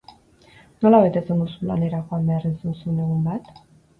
Nola betetzen duzu lanera joan behar ez duzun egun bat?